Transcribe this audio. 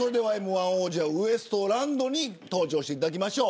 １王者ウエストランドに登場していただきましょう。